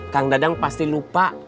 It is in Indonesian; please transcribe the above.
kang dadang pasti lupa